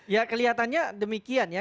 ya kelihatannya demikian ya